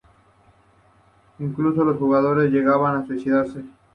Incluso, los jugadores llegaban a suicidarse.